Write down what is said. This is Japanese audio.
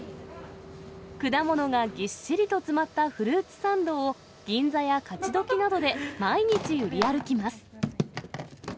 果物がぎっしりと詰まったフルーツサンドを、銀座や勝ちどきなどで毎日売り歩きます。